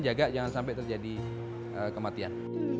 jaga jangan sampai terjadi kematian